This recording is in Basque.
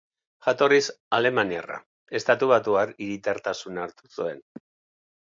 Jatorriz alemaniarra, estatubatuar hiritartasuna hartu zuen.